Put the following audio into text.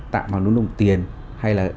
tạo vào nút đồng tiền hay là